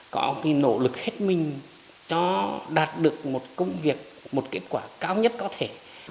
có cái nỗ lực hết mình cho đạt được một công việc một kết quả cao nhất có thể